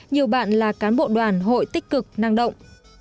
nhiều bạn là cán bộ đoàn hội tích cực năng động